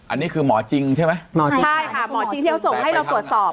อันนี้คือหมอจริงใช่ไหมหมอจริงใช่ค่ะหมอจริงที่เขาส่งให้เราตรวจสอบ